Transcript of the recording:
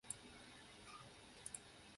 他曾是英国皇家检控署的检察长。